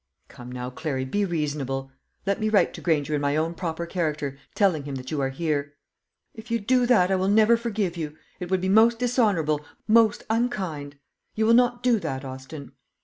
"Come now, Clary, be reasonable. Let me write to Granger in my own proper character, telling him that you are here." "If you do that, I will never forgive you. It would be most dishonourable, most unkind. You will not do that, Austin?"